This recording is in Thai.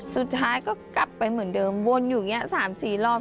สุดท้ายก็กลับไปเหมือนเดิมวนอยู่อย่างนี้๓๔รอบ